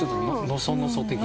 「のそのそ」な。